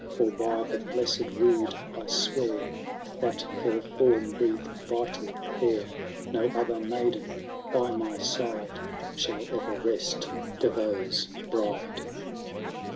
^ For, by the blessed rood I swear. If that fair form breathe vital air. No other maiden by my side Shall ever rest De Vaux's bride